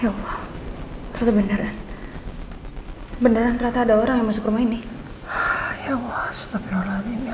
ya allah beneran beneran ternyata ada orang masuk rumah ini ya allah setapi orangnya